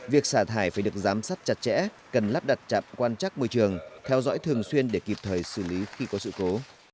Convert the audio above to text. việc xả thải phải được giám sát chặt chẽ cần lắp đặt trạm quan trắc môi trường theo dõi thường xuyên để kịp thời xử lý khi có sự cố